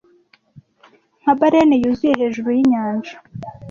Nka baleine yuzuye hejuru yinyanja